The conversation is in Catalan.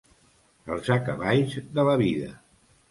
Els acaballs de la vida.